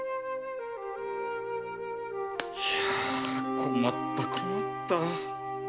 いや困った困った。